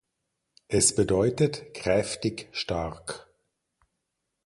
Es bedeutet „kräftig, stark“.